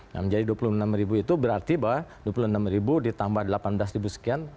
nah menjadi dua puluh enam ribu itu berarti bahwa dua puluh enam ribu ditambah delapan belas ribu sekian